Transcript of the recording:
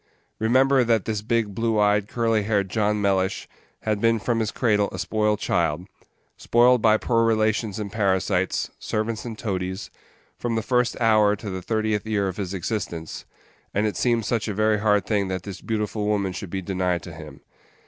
Remember that this big, blue eyed, curly haired John Mellish had been from his cradle a spoiled child spoiled by poor relations and parasites, servants and toadies, from the first hour to the thirtieth year of his existence and it seemed such a very hard thing that this beautiful woman should be denied to him.